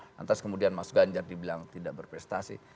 lantas kemudian mas ganjar dibilang tidak berprestasi